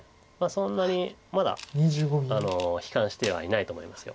そんなにまだ悲観してはいないと思います。